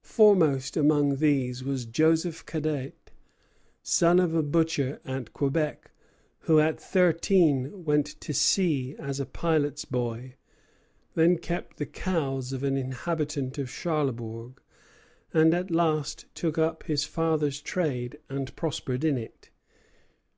Foremost among these was Joseph Cadet, son of a butcher at Quebec, who at thirteen went to sea as a pilot's boy, then kept the cows of an inhabitant of Charlebourg, and at last took up his father's trade and prospered in it.